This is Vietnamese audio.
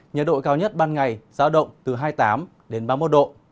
nhiệt độ cao nhất ban ngày giáo động từ hai mươi tám ba mươi một độ